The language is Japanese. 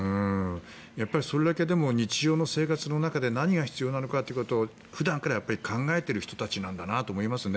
それだけ日常生活で何が必要なのかということを普段から考えている人たちなんだと思いますね。